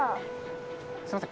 すいません